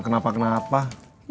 lo kenapa pur